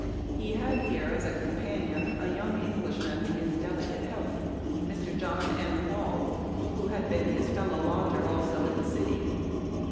He had here as a companion a young English man in delicate health, Mr. John N. Hall, who had been his fellow lodger also in the city.